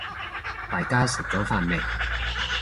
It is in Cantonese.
大家食咗飯未